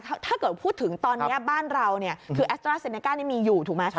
แต่ถ้าเกิดพูดถึงตอนนี้บ้านเราแอสตาร์เซนเนก้ามีอยู่ถูกไหม